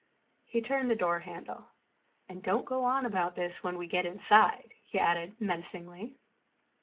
He turned the door handle. "And don't go on about this when we get inside," he added menacingly.